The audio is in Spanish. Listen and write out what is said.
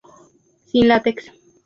Sin látex.